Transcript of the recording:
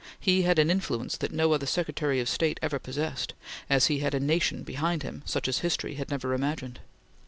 He had an influence that no other Secretary of State ever possessed, as he had a nation behind him such as history had never imagined.